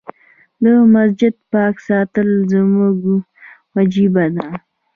د مسجد پاک ساتل زموږ وجيبه ده.